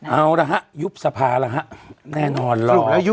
เอาล่ะฮะยุบทรรภานะฮะแน่นอนหรอ